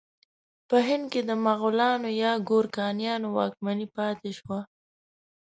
په هند کې د مغلانو یا ګورکانیانو واکمني پاتې شوه.